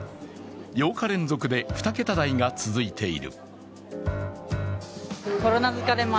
８日連続で２桁台が続いている。